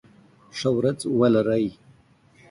ښه ورځ ولری